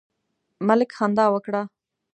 ملک خندا وکړه.